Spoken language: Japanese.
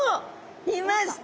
いました！